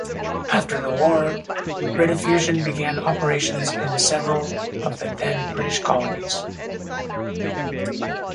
After the war, Rediffusion began operations in several of the then British colonies.